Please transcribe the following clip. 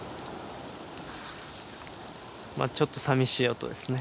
ちょっとさみしい音ですね。